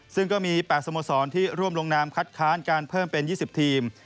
ซึ่งก็มี๘สโมสรที่ร่วมลงนามคัดค้านการเพิ่มเป็น๒๐ทีม